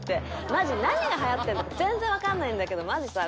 「マジ何がはやってんのか全然わかんないんだけどマジさ